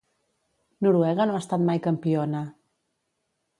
Noruega no ha estat mai campiona.